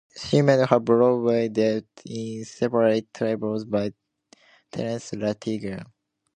She made her Broadway debut in "Separate Tables" by Terence Rattigan.